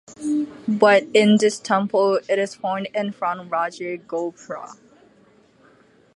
But in this temple it is found in front raja gopura.